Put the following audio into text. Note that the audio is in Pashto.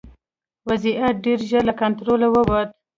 وضعیت ډېر ژر له کنټروله ووت.